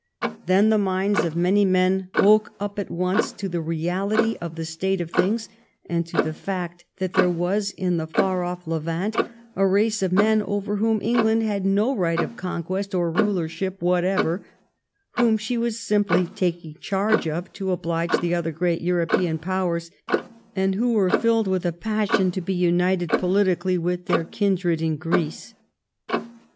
Then the minds of many men woke up at once to the reality of the state of things, and to the fact that there was in the far off Levant a race of men over whom England had no right of conquest or rulership whatever, whom she was simply taking charge of to oblige the other great European powers, and who were filled with a passion to be united politically with their kindred in Greece.